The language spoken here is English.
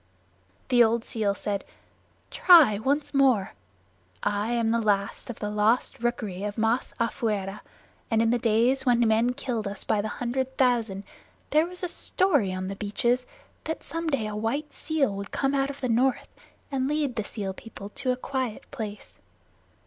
The old seal said, "Try once more. I am the last of the Lost Rookery of Masafuera, and in the days when men killed us by the hundred thousand there was a story on the beaches that some day a white seal would come out of the North and lead the seal people to a quiet place.